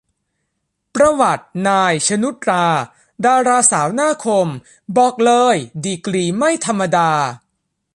ประวัติ นาย ชนุชตรา ดาราสาวหน้าคม บอกเลยดีกรีไม่ธรรมดา